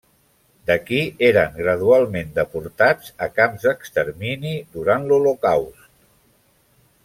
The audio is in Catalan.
D'aquí eren gradualment deportats a camps d'extermini durant l'Holocaust.